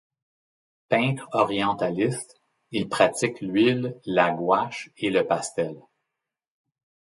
Peintre orientaliste, il pratique l'huile, la gouache et le pastel.